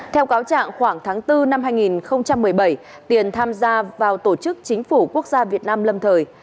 theo cáo trạng khoảng tháng bốn năm hai nghìn một mươi bảy tiền tham gia vào tổ chức chính phủ quốc gia việt nam lâm thời